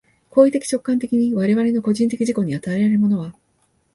行為的直観的に我々の個人的自己に与えられるものは、